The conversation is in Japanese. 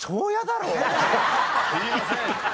すいません。